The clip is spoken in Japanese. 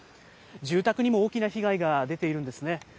住宅にも大きな被害が出ているんですね。